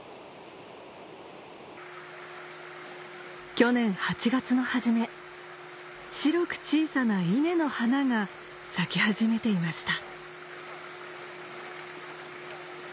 去年８月の初め白く小さな稲の花が咲き始めていました